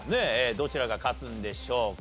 どちらが勝つんでしょうか？